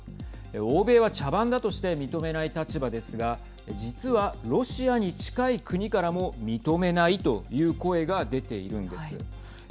欧米は茶番だとして認めない立場ですが実は、ロシアに近い国からも認めないという声が出ているんです。